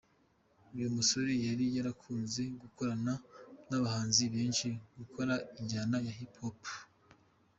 uyu musore yari yarakunze gukorana nabahanzi benshi bakora injyana ya hip hop.